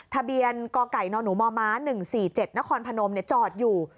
ทะเบียนกไก่นหนูมม๑๔๗นครพนมจอดอยู่